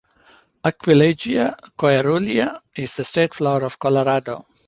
"Aquilegia coerulea" is the state flower of Colorado.